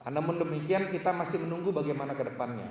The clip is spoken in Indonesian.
namun demikian kita masih menunggu bagaimana kedepannya